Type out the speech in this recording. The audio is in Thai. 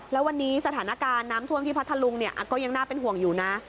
แล้ววันนี้สถานการณ์น้ำท่วมที่พัทธลุงก็ยังน่าเป็นห่วงอยู่นะ